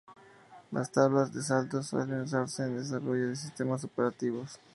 Las tablas de saltos suelen usarse en el desarrollo de sistemas operativos.